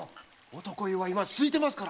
男湯は今すいてますから。